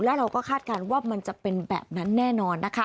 และเราก็คาดการณ์ว่ามันจะเป็นแบบนั้นแน่นอนนะคะ